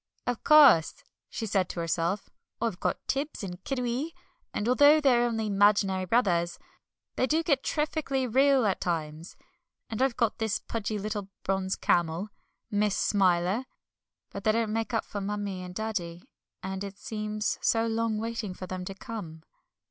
"Of course," she said to herself, "I've got Tibbs and Kiddiwee, and although they're only 'maginary brothers, they do get terrifkly real at times, and I've got this pudgy little bronze camel Miss Smiler but they don't make up for Mummie and Daddy, and it seems so long waiting for them to come."